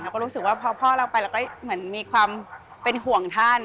ก็รู้สึกว่าพอพ่อเราไปเราก็เหมือนมีความเป็นห่วงท่าน